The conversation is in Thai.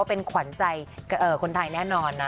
เป็นขวัญใจคนไทยแน่นอนนะ